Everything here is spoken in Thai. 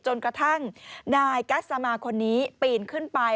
จนกระทั่งนายกัสสมาคนนี้ปีนขึ้นไป